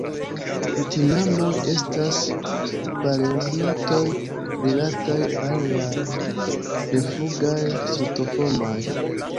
Tinamoj estas paleognatoj rilataj al la neflugaj Strutoformaj.